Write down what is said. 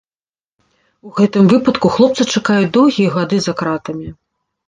У гэтым выпадку хлопца чакаюць доўгія гады за кратамі.